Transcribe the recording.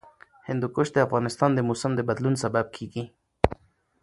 هندوکش د افغانستان د موسم د بدلون سبب کېږي.